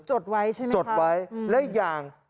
จดไว้ใช่ไหมจดไว้และอีกอย่าง